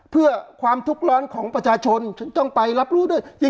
เพื่อความทุกข์ร้อนของประชาชนฉันต้องไปรับรู้ด้วย